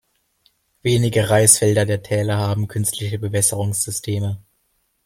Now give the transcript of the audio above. Wenige Reisfelder der Täler haben künstliche Bewässerungssysteme.